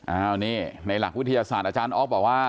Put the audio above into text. อ้าวนี่ในหลักวิทยาศาสตร์อาจารย์ออฟบอกว่า